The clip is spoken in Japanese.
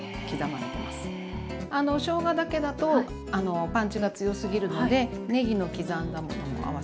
しょうがだけだとパンチが強すぎるのでねぎの刻んだものも合わせて。